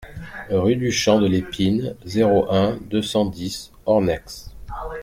Rue du Champ de l'Épine, zéro un, deux cent dix Ornex